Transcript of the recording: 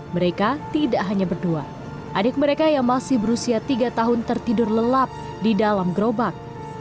mereka tidak hanya berdua adik mereka yang masih berusia tiga tahun tertidur lelap di dalam gerobak